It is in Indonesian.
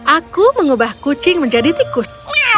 aku mengubah kucing menjadi tikus